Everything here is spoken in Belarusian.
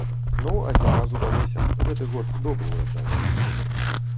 Ну, адзін раз удалося, гэты год добры ўраджай.